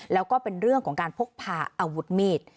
แล้วก็เป็นเรื่องของการพกพาอาวุธมีด